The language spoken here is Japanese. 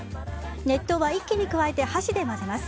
熱湯は一気に加えて箸で混ぜます。